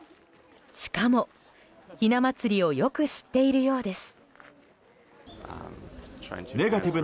しかも、ひなまつりをよく知っているようです。